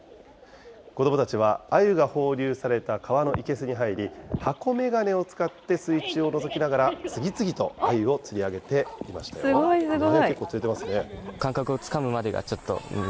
子どもたちはアユが放流された川の生けすに入り、箱メガネを使って水中をのぞきながら次々とアユを釣り上げていますごい、すごい。